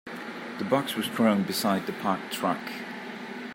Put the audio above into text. The box was thrown beside the parked truck.